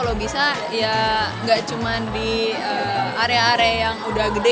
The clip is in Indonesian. kalau bisa ya nggak cuma di area area yang udah gede